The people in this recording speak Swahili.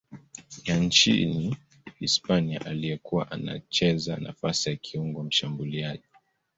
ya nchini Hispania aliyekuwa anacheza nafasi ya kiungo mshambuliaji.